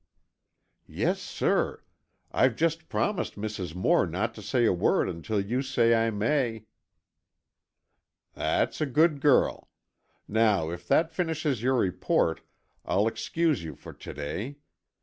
"Yes, sir. I've just promised Mrs. Moore not to say a word until you say I may." "That's a good girl. Now if that finishes your report, I'll excuse you for to day.